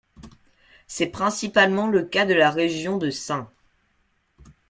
C'est principalement le cas de la région de St.